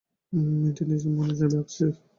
মেয়েটি নিজের মনে ছবি আঁকছে।